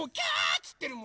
つってるもん。